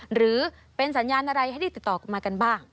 หรือเป็นสัญญาณอะไรให้ได้ติดต่อกลับมากันบ้าง